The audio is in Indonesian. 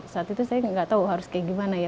saat itu saya tidak tahu harus bagaimana ya